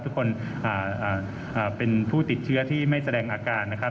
ทุกคนเป็นผู้ติดเชื้อที่ไม่แสดงอาการนะครับ